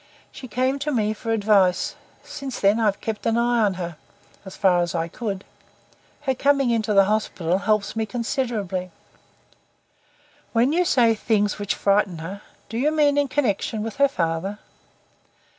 She came to me for advice. Since then I've kept an eye on her as far as I could. Her coming into the hospital helps me considerably." "When you say 'things which frightened her,' do you mean in connection with her father?"